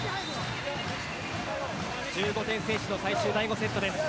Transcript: １５点先取の最終第５セットです。